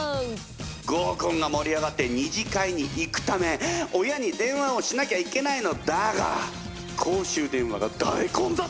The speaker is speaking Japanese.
合コンが盛り上がって２次会に行くため親に電話をしなきゃいけないのだが公衆電話が大混雑！